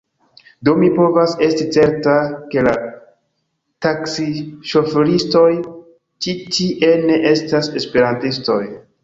Do mi povas esti certa, ke la taksi-ŝoforistoj ĉi tie ne estas Esperantistoj.